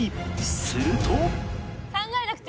すると